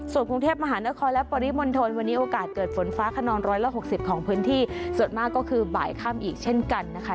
ส่วนกรุงเทพมหานครและปริมณฑลวันนี้โอกาสเกิดฝนฟ้าขนองร้อยละหกสิบของพื้นที่ส่วนมากก็คือบ่ายค่ำอีกเช่นกันนะคะ